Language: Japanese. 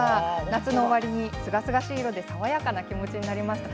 夏の終わりに、すがすがしい色で爽やかな気持ちになりました。